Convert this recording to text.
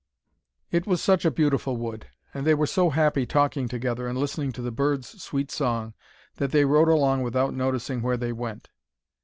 It was such a beautiful wood, and they were so happy talking together and listening to the birds' sweet song, that they rode along without noticing where they went.